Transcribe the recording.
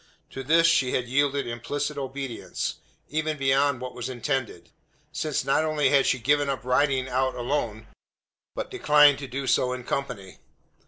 To this she had yielded implicit obedience, even beyond what was intended: since not only had she given up riding out alone, but declined to do so in company.